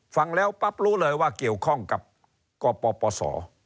ฟังแล้วปั๊บรู้เลยว่าเกี่ยวข้องกับกปปศ